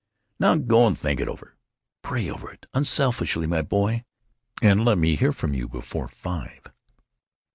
"Now go and think it over; pray over it, unselfishly, my boy, and let me hear from you before five."